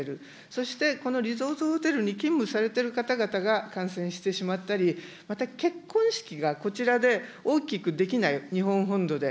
そしてこのリゾートホテルに勤務されてる方々が感染してしまったり、また結婚式がこちらで大きくできない、日本本土で。